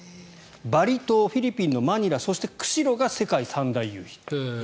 バリ島、フィリピンのマニラそして釧路が世界三大夕日。